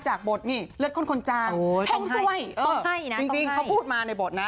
จากบทนี่เลือดคนคนจางต้องให้จริงเขาพูดมาในบทนะ